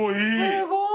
すごい！